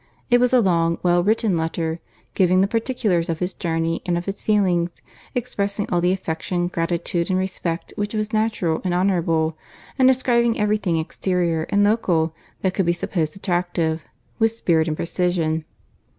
It was a long, well written letter, giving the particulars of his journey and of his feelings, expressing all the affection, gratitude, and respect which was natural and honourable, and describing every thing exterior and local that could be supposed attractive, with spirit and precision.